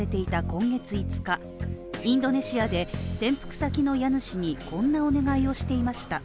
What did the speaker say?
今月５日、インドネシアで潜伏先の家主にこんなお願いをしていました。